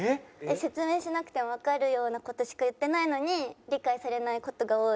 説明しなくてもわかるような事しか言ってないのに理解されない事が多い。